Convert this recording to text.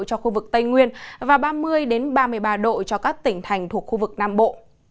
cho khu vực tây nguyên và ba mươi ba mươi ba độ cho các tỉnh thành thuộc khu vực nam bộ